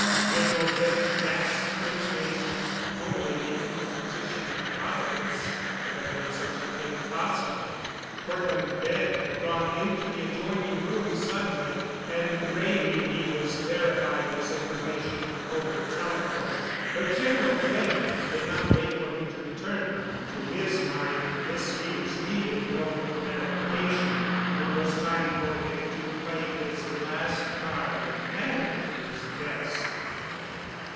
General Bent gasped in amazement. Only the interposition of Providence could have made such a thing possible. Cortland Bent had gone into the adjoining room suddenly, and Wray knew he was verifying this information over the telephone. But General Bent did not wait for him to return. To his mind this news needed no verification. It was time for him to play his last card—and his best.